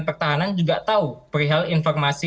pertahanan juga tahu perihal informasi